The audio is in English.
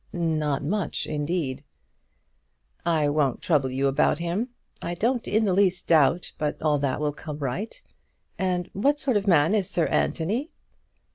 "Not much, indeed." "I won't trouble you about him. I don't in the least doubt but all that will come right. And what sort of man is Sir Anthony?"